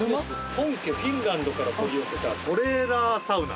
本家フィンランドから取り寄せたトレーラーサウナ。